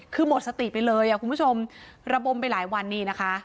คือหมดสติไปเลยอ่ะคุณผู้ชมระบมไปหลายวันนี้นะคะ